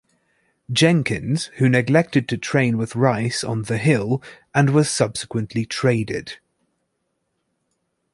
Jenkins, who neglected to train with Rice on "The Hill", and was subsequently traded.